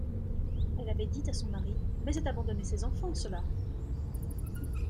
Elle avait dit à son mari: — Mais c’est abandonner ses enfants, cela!